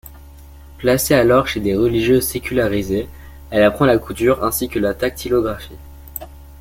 Placée alors chez des religieuses sécularisées, elle apprend la couture ainsi que la dactylographie.